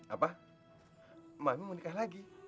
apa mami mau nikah lagi